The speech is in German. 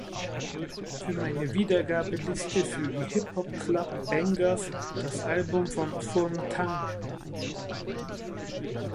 Für meine Wiedergabeliste fügen Hip-Hop-Club-Bangers das Album von Phuong Thanh